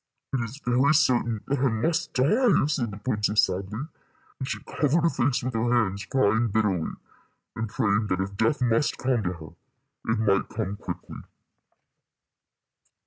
"It is very certain that I must die," said the princess, sadly, and she covered her face with her hands, crying bitterly, and praying that if death must come to her, it might come quickly.